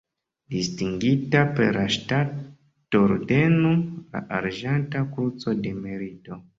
Distingita per la ŝtata ordeno la Arĝenta Kruco de Merito.